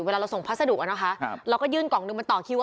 เวลาเราส่งพัสดุอ่ะนะคะครับเราก็ยื่นกล่องนึงมันต่อคิวอ่ะ